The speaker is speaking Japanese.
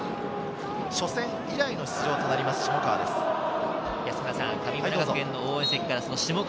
初戦以来の出場となります、下川。